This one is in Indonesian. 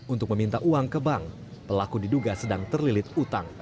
untuk meminta uang ke bank pelaku diduga sedang terlilit utang